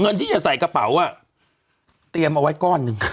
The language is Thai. เงินที่จะใส่กระเป๋าเตรียมเอาไว้ก้อนหนึ่ง